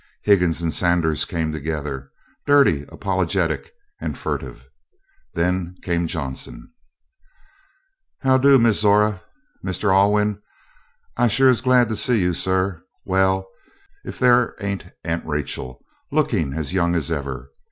Higgins and Sanders came together dirty, apologetic, and furtive. Then came Johnson. "How do, Miss Zora Mr. Alwyn, I sure is glad to see you, sir. Well, if there ain't Aunt Rachel! looking as young as ever.